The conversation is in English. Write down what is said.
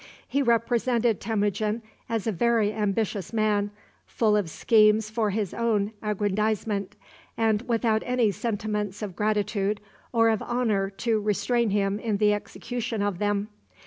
He represented Temujin as a very ambitious man, full of schemes for his own aggrandizement, and without any sentiments of gratitude or of honor to restrain him in the execution of them.